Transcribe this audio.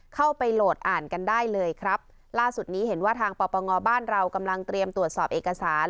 โหลดอ่านกันได้เลยครับล่าสุดนี้เห็นว่าทางปปงบ้านเรากำลังเตรียมตรวจสอบเอกสาร